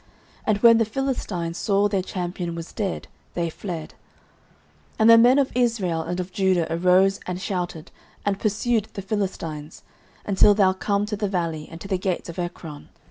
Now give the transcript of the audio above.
And when the Philistines saw their champion was dead, they fled. 09:017:052 And the men of Israel and of Judah arose, and shouted, and pursued the Philistines, until thou come to the valley, and to the gates of Ekron.